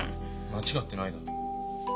間違ってないだろ？